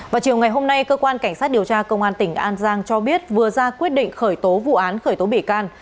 vào chiều ngày hôm nay cơ quan cảnh sát điều tra công an tỉnh an giang cho biết vừa ra quyết định khởi tố vụ án khởi tố bị can